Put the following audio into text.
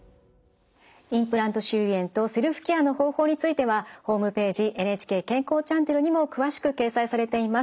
インプラント周囲炎とセルフケアの方法についてはホームページ「ＮＨＫ健康チャンネル」にも詳しく掲載されています。